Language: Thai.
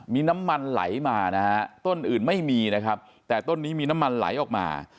มีน้ำมันไหลมานะฮะต้นอื่นไม่มีนะครับแต่ต้นนี้มีน้ำมันไหลออกมา